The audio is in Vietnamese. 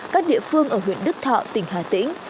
các địa phương ở huyện đức thọ tỉnh hà tĩnh